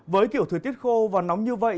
với kiểu thời tiết khô và nóng như vậy